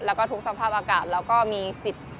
แล้วก็ทุกสภาพอากาศแล้วก็มีสิทธิ์